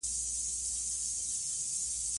عدالت د ټولنیز یووالي ملاتړ کوي.